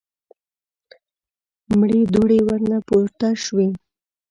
مړې دوړې ورنه پورته شوې.